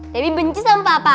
debbie benci sama papa